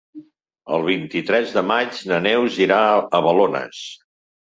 El vint-i-tres de maig na Neus irà a Balones.